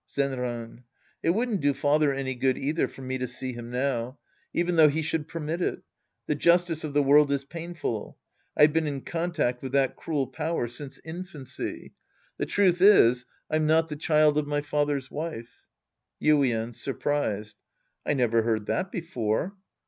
Zenran. It wouldn't do father any good either for me to see him now. Even though he should permit it. The justice of the world is painful. I've been in contact with that cruel power since infancy. The truth is, I'm not the child of my father's wife. Yuien {surprised). I never heard that before.